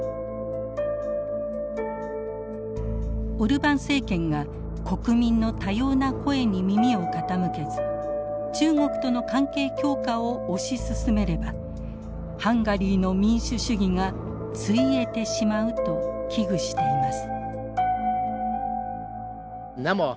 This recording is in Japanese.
オルバン政権が国民の多様な声に耳を傾けず中国との関係強化を推し進めればハンガリーの民主主義がついえてしまうと危惧しています。